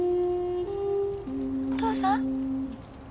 お父さん？